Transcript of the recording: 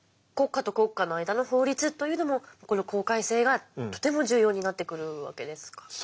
国家と国家の間の法律というのもこの公開性がとても重要になってくるわけですか？